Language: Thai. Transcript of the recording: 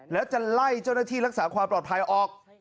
แล้วจะไล่เจ้าหน้าที่รักษาความปลอดภัยออก